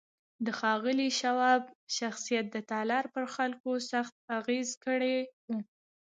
د ښاغلي شواب شخصيت د تالار پر خلکو سخت اغېز کړی و.